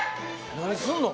何すんの？